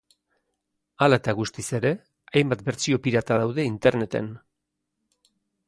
Hala eta guztiz ere, hainbat bertsio pirata daude interneten.